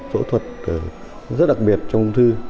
phẫu thuật rất đặc biệt trong ung thư